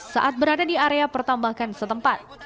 saat berada di area pertambakan setempat